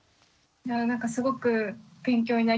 なんかすごく勉強になりました。